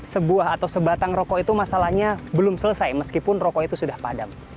sebuah atau sebatang rokok itu masalahnya belum selesai meskipun rokok itu sudah padam